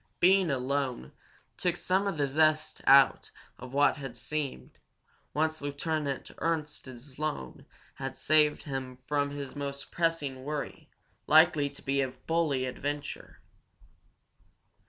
Being alone took some of the zest out of what had seemed, once Lieutenant Ernst's loan had saved him from his most pressing worry, likely to be a bully adventure.